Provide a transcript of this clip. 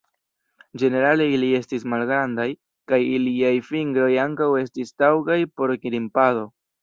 Ĝenerale ili estis malgrandaj, kaj iliaj fingroj ankaŭ estis taŭgaj por grimpado.